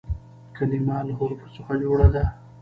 کلیمه له حروفو څخه جوړه ده.